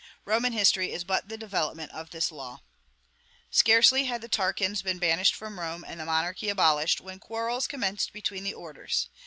Roman history is but the development of this law. Scarcely had the Tarquins been banished from Rome and the monarchy abolished, when quarrels commenced between the orders.